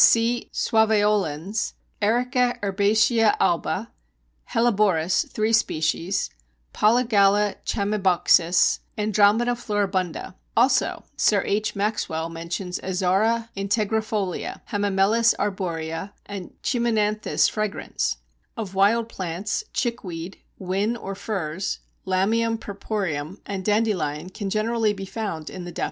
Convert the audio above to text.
suaveolens_, Erica herbacea alba, Helleborus (3 species), Polygala chamaebuxus, Andromeda floribunda; also Sir H. Maxwell mentions Azara integrifolia, Hamamelis arborea, and Chimonanthus fragrans. Of wild plants, Chickweed, Whin or Furze, Lamium purpureum, and Dandelion can generally be found in the depth of winter.